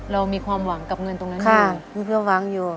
เรามีความหวังกับเงินตรงนั้นอยู่ค่ะมีความหวังอยู่